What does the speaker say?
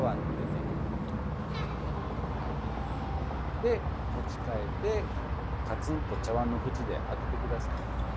で持ち替えてかつんと茶碗の縁で当てて下さい。